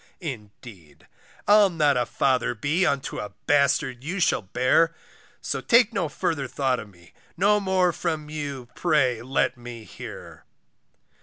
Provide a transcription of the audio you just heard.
Indeed I'll not a father be Unto a bastard you shall bear, So take no further thought of me, No more from you pray let me hear.